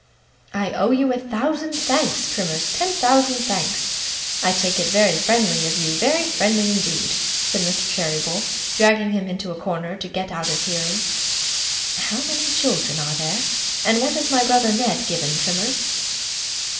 'I owe you a thousand thanks, Trimmers, ten thousand thanks. I take it very friendly of you, very friendly indeed,' said Mr. Cheeryble, dragging him into a corner to get out of hearing. 'How many children are there, and what has my brother Ned given, Trimmers?